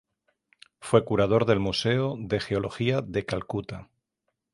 Fue curador del Museo de Geología de Calcuta.